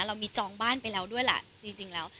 เรามีจองบ้านไปแล้วด้วยล่ะจริงแล้ว